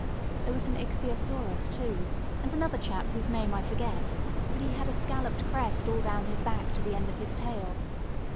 There was an Ichthyosaurus too, and another chap whose name I forget, but he had a scalloped crest all down his back to the end of his tail.